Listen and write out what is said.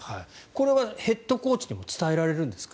これはヘッドコーチにも伝えられるんですか？